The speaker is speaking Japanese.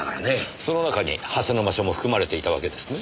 その中に蓮沼署も含まれていたわけですね。